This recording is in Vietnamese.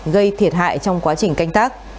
gây thiệt hại trong quá trình canh tác